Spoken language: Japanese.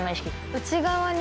内側に。